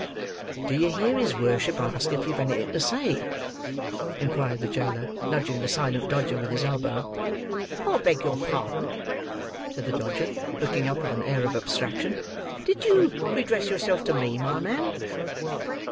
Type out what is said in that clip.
"Do you hear his worship ask if you've anything to say?" inquired the jailer, nudging the silent Dodger with his elbow. "I beg your pardon," said the Dodger, looking up with an air of abstraction. "Did you redress yourself to me, my man?"